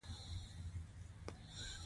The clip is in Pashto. یونسکو د فرهنګي میراث په ساتلو کې مرسته کوي.